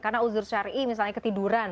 karena uzur syari'i misalnya ketiduran